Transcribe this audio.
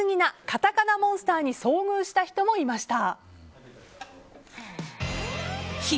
カタカナモンスターに遭遇した人もいました。